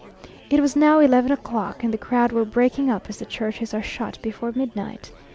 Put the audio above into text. It was now eleven o'clock, and the crowd were breaking up as the churches are shut before midnight.